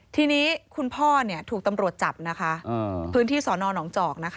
ที่นี้คุณพ่อถูกตำรวจจับที่สอนนหนองจอกด์